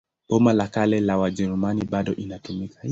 Boma la Kale la Wajerumani bado inatumika.